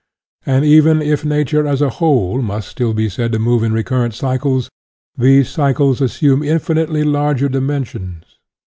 And even if Nature, as a whole, must still be said to move in recurrent cycles, these cycles assume infinitely larger dimen sions.